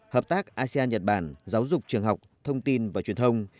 hợp tác asean nhật bản giáo dục trường học thông tin và truyền thông